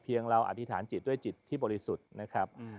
เราอธิษฐานจิตด้วยจิตที่บริสุทธิ์นะครับ